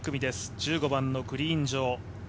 １５番のグリーン上。